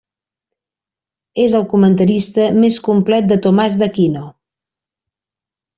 És el comentarista més complet de Tomàs d'Aquino.